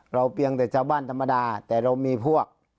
เพียงแต่ชาวบ้านธรรมดาแต่เรามีพวก